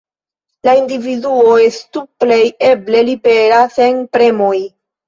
La individuo estu plej eble libera sen premoj.